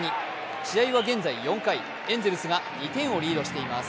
試合は現在４回エンゼルスが２点をリードしています。